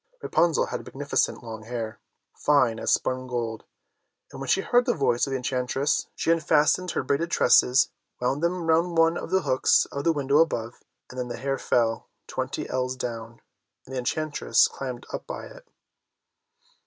Rapunzel had magnificent long hair, fine as spun gold, and when she heard the voice of the enchantress she unfastened her braided tresses, wound them round one of the hooks of the window above, and then the hair fell twenty ells down, and the enchantress climbed up by it.